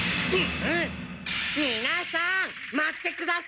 みなさん待ってください！